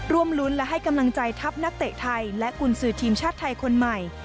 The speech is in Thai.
ร่วมรุ้นและให้กำลังใจทัพนักเตะไทยและกุญสือทีมชาติไทยคนใหม่